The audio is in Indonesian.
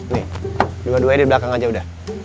nih dua duainya belakang aja udah